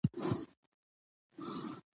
په تېره، د معشوقې د بدن غړيو ته کارېدلي تشبيهات